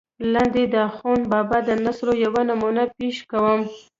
لاندې دَاخون بابا دَنثر يوه نمونه پېش کوم